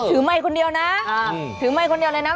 ถือใหม่คนเดียวนะไม่ปล่อยเลยนะ